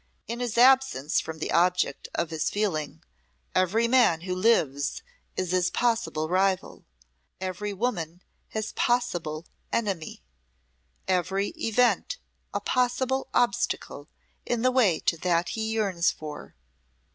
In his absence from the object of his feeling every man who lives is his possible rival, every woman his possible enemy, every event a possible obstacle in the way to that he yearns for.